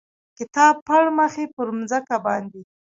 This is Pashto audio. کتاب پړمخې پر مځکه باندې،